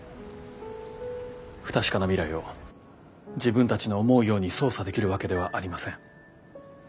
不確かな未来を自分たちの思うように操作できるわけではありません。